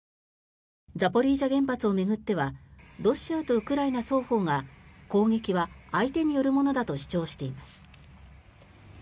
ザポリージャ原発を巡ってはロシアとウクライナ双方が攻撃は相手によるものだと主張しています。